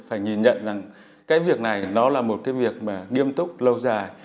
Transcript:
phải nhìn nhận rằng cái việc này nó là một cái việc mà nghiêm túc lâu dài